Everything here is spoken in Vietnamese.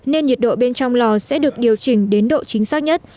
nên nhiệt độ bên trong lò sẽ được điều chỉnh đến độ chính xác nhất